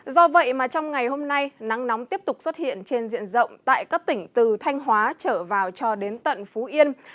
do vậy mà trong ngày hôm nay nắng nóng tiếp tục xuất hiện trên diện rộng tại các tỉnh từ thanh hóa trở vào cho đến tận phú yên